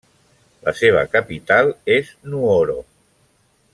La seva capital és Nuoro.